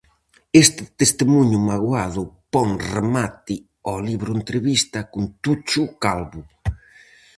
Este testemuño magoado pon remate ao libro-entrevista con Tucho Calvo.